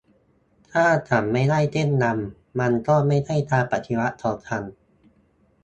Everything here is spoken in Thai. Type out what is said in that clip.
"ถ้าฉันไม่ได้เต้นรำ มันก็ไม่ใช่การปฏิวัติของฉัน"